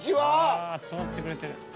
うわ集まってくれてる。